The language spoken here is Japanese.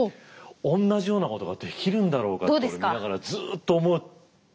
おんなじようなことができるんだろうかって俺見ながらずっと思って。